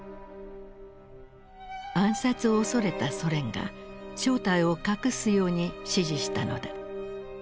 暗殺を恐れたソ連が正体を隠すように指示したのだ。